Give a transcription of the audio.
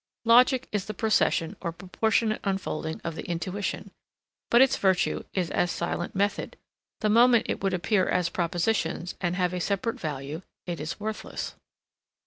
Logic is the procession or proportionate unfolding of the intuition; but its virtue is as silent method; the moment it would appear as propositions and have a separate value it is worthless.